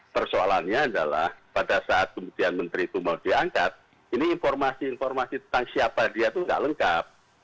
persoalannya adalah pada saat kemudian menteri itu mau diangkat ini informasi informasi tentang siapa dia itu tidak lengkap